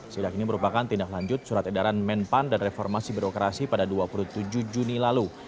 sidak ini merupakan tindak lanjut surat edaran menpan dan reformasi birokrasi pada dua puluh tujuh juni lalu